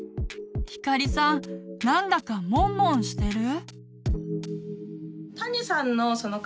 ひかりさんなんだかモンモンしてる？